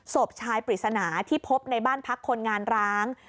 ศพชายปริศนาที่พบในบ้านพักคนงานร้าง